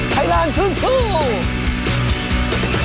ไทยลันศ์ซู้วด